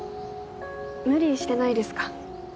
無理してないですか？